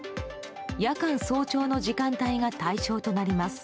夜間・早朝の時間帯が対象となります。